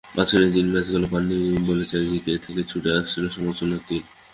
মাঝখানে তিন ম্যাচে গোল পাননি বলে চারদিক থেকে ছুটে আসছিল সমালোচনার তির।